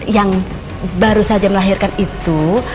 yang baru saja melahirkan itu